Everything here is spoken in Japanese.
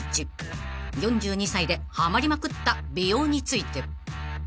［４２歳でハマりまくった美容について］